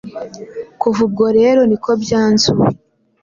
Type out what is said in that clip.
Kuva ubwo rero niko byanzuwe